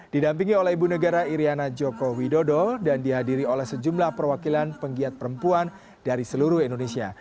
didampingi oleh ibu negara iryana joko widodo dan dihadiri oleh sejumlah perwakilan penggiat perempuan dari seluruh indonesia